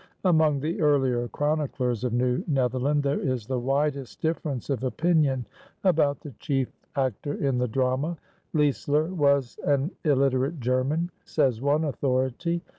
Among the earlier chroniclers of New Netherland there is the widest difference of opinion about the chief actor in the drama. Leisler was "an illiterate German," says one authority.